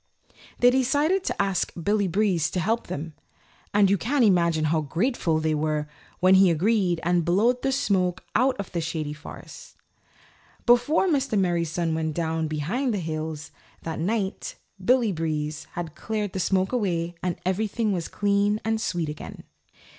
They all decided to ask Billy Breeze to help them, and you can imagine how grateful they were when he agreed to blow the smoke out of the Shady Forest. Before Mr. Merry Sun went down behind the hills that night Billy Breeze had cleared the smoke away and everything was clean and sweet again.